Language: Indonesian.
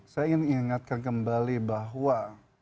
saya ingin ingatkan kembali bahwa